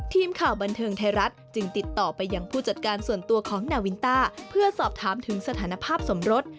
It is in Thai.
ทีมข่าวบันเทิงไทยรัฐจึงติดต่อไปยังผู้จัดการส่วนตัวของนาวินต้าเพื่อสอบถามถึงสถานภาพสมรส